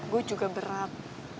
gua juga berat